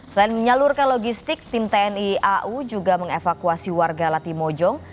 selain menyalurkan logistik tim tni au juga mengevakuasi warga latimojong